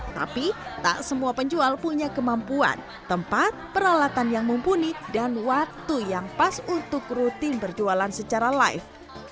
tapi tak semua penjual punya kemampuan tempat peralatan yang mumpuni dan waktu yang pas untuk rutin berjualan secara live